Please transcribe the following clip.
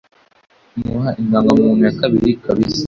imuha indangamuntu yakabiri kabisa